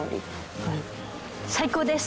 最高です！